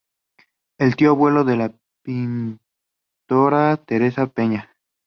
Es tío-abuelo de la pintora Teresa Peña.